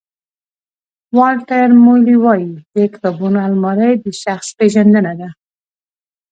والټر مویلي وایي د کتابونو المارۍ د شخص پېژندنه ده.